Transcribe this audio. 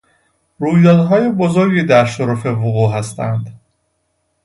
رویدادهای بزرگی در شرف وقوع هستند.